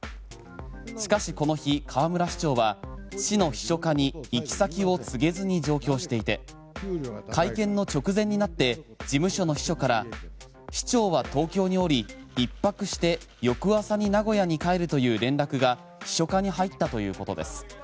しかしこの日、河村市長は市の秘書課に行き先を告げずに上京していて会見の直前になって事務所の秘書から市長は東京におり１泊して翌朝に名古屋に帰るという連絡が秘書課に入ったということです。